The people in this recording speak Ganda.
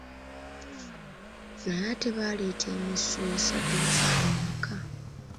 Naye ate baaleeta emisu esatu busatu ewaka.